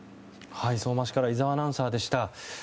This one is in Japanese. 相馬市から井澤アナウンサーでした。